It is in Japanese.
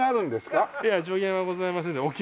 いや上限はございませんでお気持ち。